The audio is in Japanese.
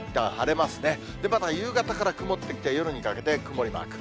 また夕方から曇ってきて、夜にかけて曇りマーク。